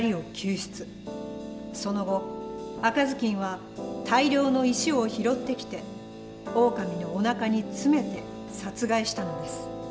その後赤ずきんは大量の石を拾ってきてオオカミのおなかに詰めて殺害したのです。